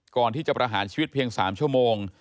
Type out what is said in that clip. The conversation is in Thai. ก่อนที่จะประหารชีวิตเพียง๓ชั่วโมง